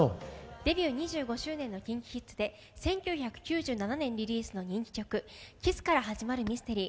デビュー２５周年のＫｉｎＫｉＫｉｄｓで１９９７年リリースの人気曲「Ｋｉｓｓからはじまるミステリー」